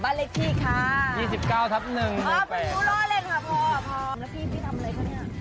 บ้านเลขที่คะ๒๙ทับ๑อ้าวพี่รู้ร้อยเลยค่ะพอพี่ทำอะไรกันเนี่ย